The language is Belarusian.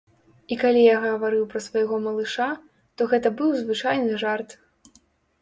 І калі я гаварыў пра свайго малыша, то гэта быў звычайны жарт.